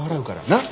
なっ？